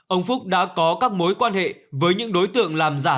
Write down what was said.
ông phúc đã có các mối quan hệ với những đối tượng làm giả